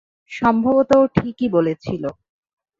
সম্ভবত ও ঠিকই বলেছিল।